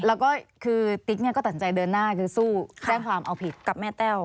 แล้วก็คือติ๊กเนี่ยก็ตัดสินใจเดินหน้าคือสู้แจ้งความเอาผิดกับแม่แต้ว